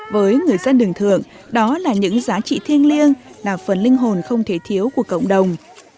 với người dân đường thượng đó là những giá trị thiêng liêng là phần linh hồn không thể thiếu của cộng đồng